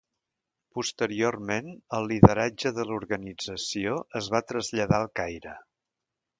Posteriorment el lideratge de l'organització es va traslladar al Caire.